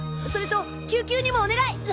それと救急にもお願い！